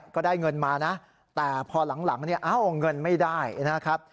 ก็ได้เงินมานะแต่พอหลังเนี่ยเอ้าเงินไม่ได้นะครับ